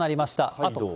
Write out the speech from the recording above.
あと。